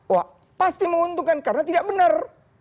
wah pasti menguntungkan karena tidak benar